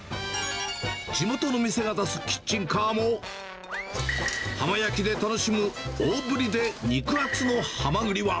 地元の店が出すキッチンカーも、浜焼きで楽しむ、大ぶりで肉厚のハマグリは。